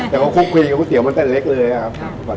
แต่คุบคุยกับคุ้ดเตี๋ียวมันแต่เล็กเลยครับ